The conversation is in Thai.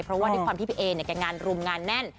เพราะว่าด้วยความที่พี่เอเนี่ยแกงานรุมงานแน่น